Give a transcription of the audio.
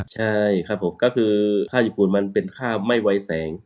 ใช่ครับผมก็คือข้าวญี่ปุ่นมันเป็นข้าวไม่ไว้แสง